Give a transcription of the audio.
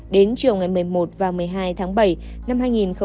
đến chiều ngày một mươi một và một mươi hai tháng bảy năm hai nghìn hai mươi